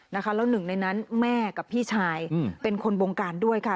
แล้วหนึ่งในนั้นแม่กับพี่ชายเป็นคนบงการด้วยค่ะ